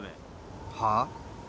はあ？